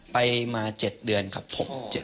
ไปมา๗เดือนครับผม